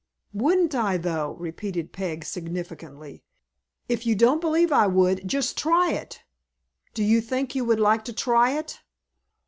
"Wouldn't I, though?" repeated Peg, significantly. "If you don't believe I would, just try it. Do you think you would like to try it?"